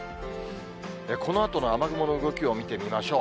このあとの雨雲の動きを見てみましょう。